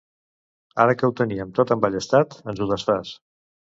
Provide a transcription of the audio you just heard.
Ara que ho teníem tot emballestat, ens ho desfàs!